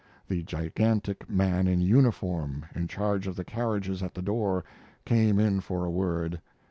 The gigantic man in uniform; in charge of the carriages at the door, came in for a word.